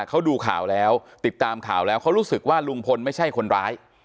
เขาดูข่าวแล้วติดตามข่าวแล้วเขารู้สึกว่าลุงพลไม่ใช่คนร้าย